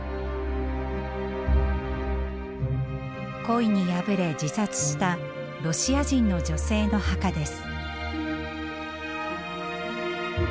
恋にやぶれ自殺したロシア人の女性の墓です。